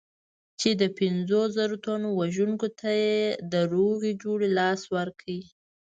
چې د پنځو زرو تنو وژونکي ته د روغې جوړې لاس ورکړي.